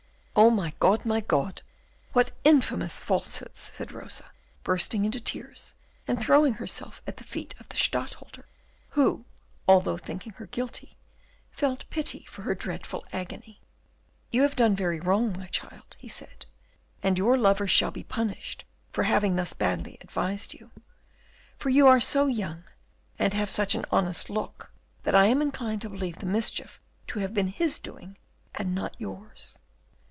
"Oh, my God, my God! what infamous falsehoods!" said Rosa, bursting into tears, and throwing herself at the feet of the Stadtholder, who, although thinking her guilty, felt pity for her dreadful agony. "You have done very wrong, my child," he said, "and your lover shall be punished for having thus badly advised you. For you are so young, and have such an honest look, that I am inclined to believe the mischief to have been his doing, and not yours."